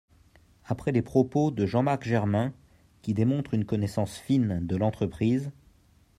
Après les propos de Jean-Marc Germain, Qui démontrent une connaissance fine de l’entreprise